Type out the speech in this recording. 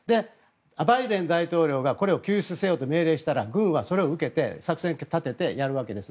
バイデン大統領がこれを救出せよって命令したら軍はそれを受けて作戦を立ててやるわけです。